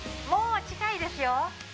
もう近いですよ。